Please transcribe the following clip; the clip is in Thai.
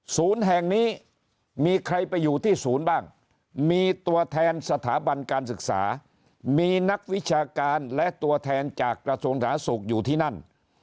ศูนย์แห่งนี้มีใครไปอยู่ที่ศูนย์บ้างมีตัวแทนสถาบันการศึกษามีนักวิชาการและตัวแทนจากกระทรวงสาธารณสุขอยู่ที่นั่น